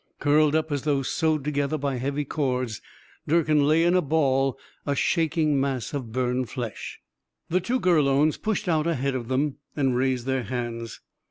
Curled up as though sewed together by heavy cords. Durkin lay in a ball, a shaking mass of burned flesh. The two Gurlones pushed out ahead of them, and raised their hands.